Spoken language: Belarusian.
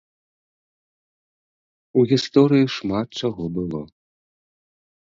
У гісторыі шмат чаго было.